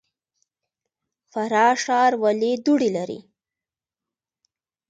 فراه ښار ولې دوړې لري؟